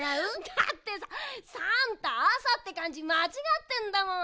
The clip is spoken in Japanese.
だってささんた「あさ」ってかんじまちがってんだもん！